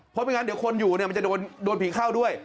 เพราะไม่งั้นเดี๋ยวคนอยู่เนี่ยมันจะโดนผีเข้าด้วย